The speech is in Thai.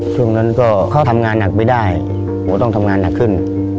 ช่วงนั้นก็ทำงานหนักไม่ได้หัวต้องทำงานหนักขึ้น